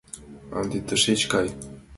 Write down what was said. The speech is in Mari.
Ынде тышеч кай!